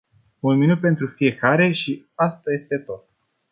Un minut pentru fiecare și asta este tot.